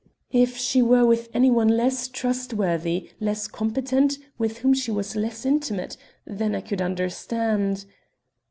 If she were with any one less trustworthy, less competent, with whom she was less intimate ... then I could understand...."